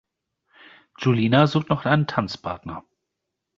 Julina sucht noch einen Tanzpartner.